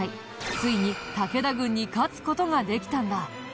ついに武田軍に勝つ事ができたんだ。